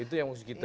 itu yang harus kita